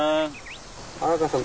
原川さん